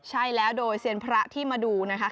ใช่แล้วโดยเซียนพระที่มาดูนะคะ